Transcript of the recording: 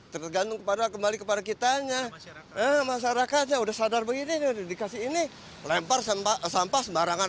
tergantung kembali kepada kitanya masyarakatnya udah sadar begini dikasih ini lempar sampah sembarangan